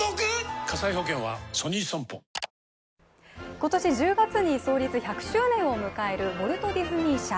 今年１０月に創立１００周年を迎えるウォルト・ディズニー社。